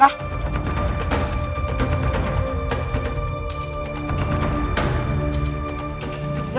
kamu orang mau ikut farel kah